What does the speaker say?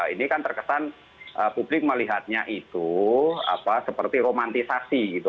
ini kan terkesan publik melihatnya itu seperti romantisasi gitu